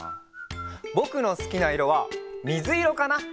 ぼくのすきないろはみずいろかな！